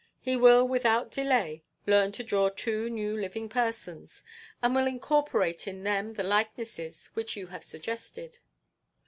He will, without delay, learn to draw two new living persons, and will incorporate in them the likenesses which you have suggested."